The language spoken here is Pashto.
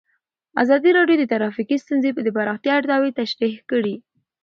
ازادي راډیو د ټرافیکي ستونزې د پراختیا اړتیاوې تشریح کړي.